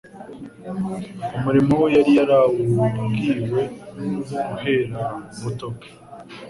Umurimo we yari yarawubwiwe guhera mu buto bwe,